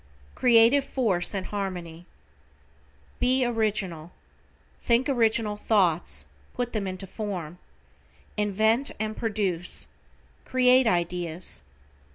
=CREATIVE FORCE AND HARMONY:= Be original. Think original thoughts, put them into form. Invent and produce. Create ideas.